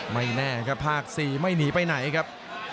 ไม่แน่ครับภาค๔ไม่หนีไปไหนครับ